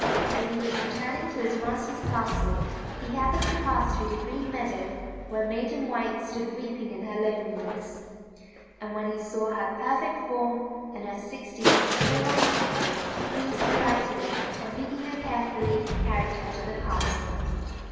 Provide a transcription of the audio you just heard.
As he was returning to his master's castle, he happened to pass through the green meadow where Maiden White stood weeping in her loneliness. And when he saw her perfect form and her sixteen snow white petals, he was de lighted, and, picking her carefully, carried her to the castle.